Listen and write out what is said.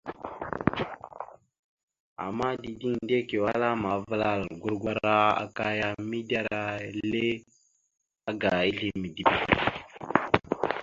Ama dideŋ Ndekio ala amavəlal gurgwara aka ya midera ile aga izle midibe.